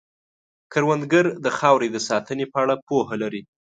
کروندګر د خاورې د ساتنې په اړه پوهه لري